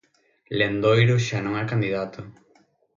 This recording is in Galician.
Lendoiro xa non é candidato.